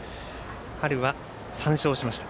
春は３勝しました。